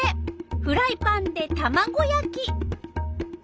フライパンでたまご焼き。